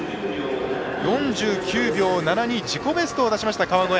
４９秒７２、自己ベストを出した川越。